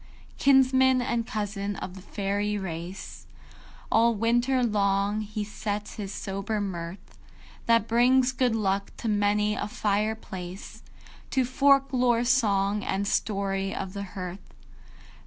IV. Kinsman and cousin of the Faëry Race, All winter long he sets his sober mirth, That brings good luck to many a fire place, To folk lore song and story of the hearth.